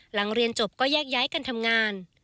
หลังเรียนจบก็แยกย้ายกันทำงาน